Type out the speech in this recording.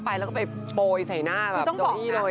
ไปแล้วก็ไปปล่อยใส่หน้าอะ